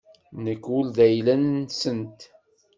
Nekk ur d ayla-nsent.